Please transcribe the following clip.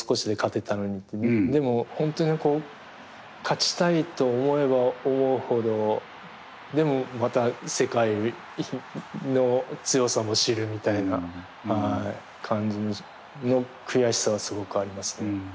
でも本当に勝ちたいと思えば思うほどでもまた世界の強さも知るみたいな感じの悔しさはすごくありますね。